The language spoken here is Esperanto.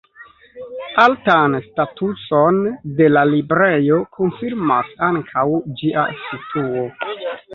Altan statuson de la librejo konfirmas ankaŭ ĝia situo.